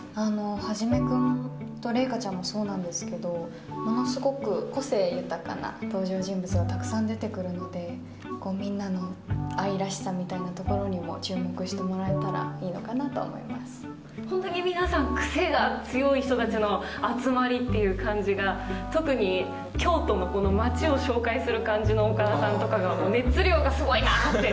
一君と麗華ちゃんもそうなんですけど、ものすごく、個性豊かな登場人物がたくさん出てくるので、みんなの愛らしさみたいなところにも、注目してもらえたらいいの本当に皆さん、癖が強い人たちの集まりっていう感じが、特に、京都の町を紹介する感じの岡田さんとかが、熱量がすごいなって。